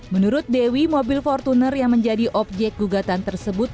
menurut dewi mobil fortuner yang menjadi objek gugatan tersebut